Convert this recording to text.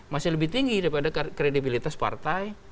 masih lebih tinggi daripada kredibilitas partai